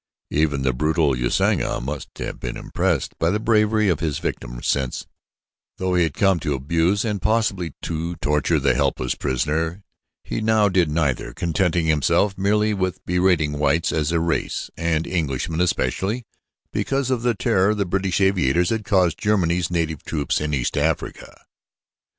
Even the brutal Usanga must have been impressed by the bravery of his victim since, though he had come to abuse and possibly to torture the helpless prisoner, he now did neither, contenting himself merely with berating whites as a race and Englishmen especially, because of the terror the British aviators had caused Germany's native troops in East Africa.